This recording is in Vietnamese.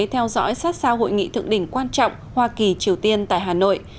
theo dõi sát sao hội nghị thượng đỉnh quan trọng hoa kỳ triều tiên tại hà nội